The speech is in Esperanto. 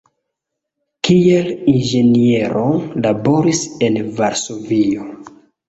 Kiel inĝeniero laboris en Varsovio.